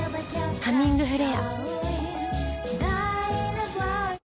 「ハミングフレア」